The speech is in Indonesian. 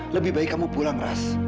lebih baik kamu pulang ras